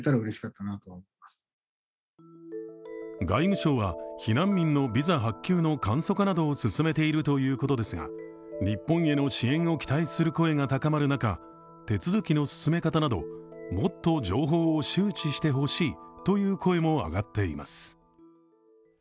外務省は避難民のビザ発給の簡素化などを進めているということですが日本への支援を期待する声が高まる中手続きの進め方などもっと情報を周知してほしいという声も上がっています。